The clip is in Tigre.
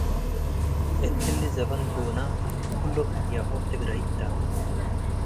እትሊ ዘበን ጎነ ክሎም ህግያሆም ትግረይት ተ ።